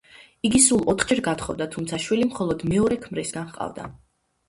იგი სულ ოთხჯერ გათხოვდა, თუმცა შვილი მხოლოდ მეორე ქმრისგან ჰყავდა.